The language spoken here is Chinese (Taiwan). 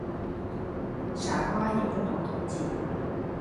傻瓜也會跑統計